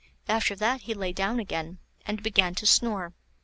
After that he lay down again, and began to snore.